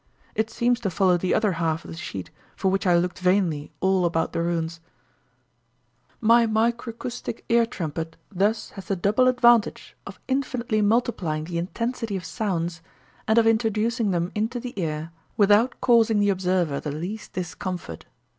It seems to follow the other half of the sheet, for which I looked vainly all about the ruins: "My micracoustic ear trumpet thus has the double advantage of infinitely multiplying the intensity of sounds, and of introducing them into the ear without causing the observer the least discomfort.